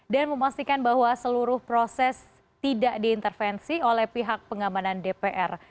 dan memastikan bahwa seluruh proses tidak diintervensi oleh pihak pengamanan dpr